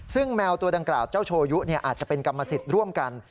ซึ่งแมวตัวดังกล่าวเจ้าโชยุอาจจะเป็นกรรมสิทธิ์ร่วมกัน